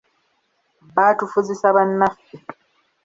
Baatufuzisa bannaffe.